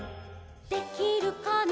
「できるかな」